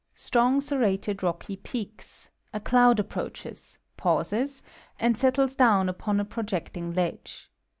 Strong, serrated rocky peaks, A cloud appro€iches. pauses, and settles down upon a projecting ledge.